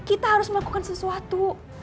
iya aku tahu